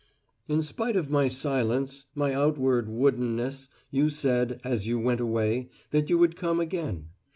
"In spite of my silence my outward woodenness you said, as you went away, that you would come again!